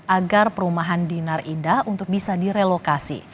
agar perumahan di narinda untuk bisa direlokasi